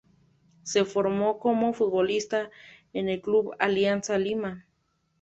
Se formó como futbolista en el Club Alianza Lima.